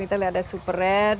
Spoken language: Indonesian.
kita lihat ada super red